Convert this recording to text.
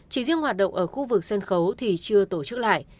chỉ riêng hoạt động ở khu vực sân khấu thì chưa tổ chức lại